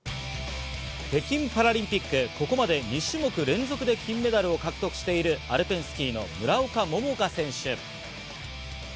北京パラリンピック、ここまで２種目連続で金メダルを獲得しているアルペンスキーの村岡桃佳選手。